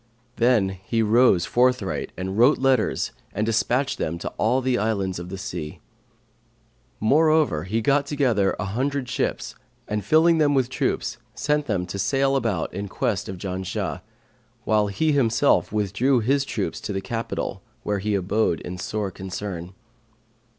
Then he rose forthright and wrote letters and despatched them to all the islands of the sea. Moreover he got together an hundred ships and filling them with troops, sent them to sail about in quest of Janshah, while he himself withdrew with his troops to his capital, where he abode in sore concern.